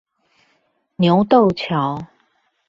牛鬥橋